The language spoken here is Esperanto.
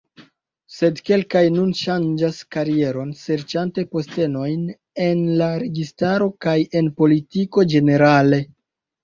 Sed kelkaj nun ŝanĝas karieron serĉante postenojn en la registaro kaj en politiko ĝenerale.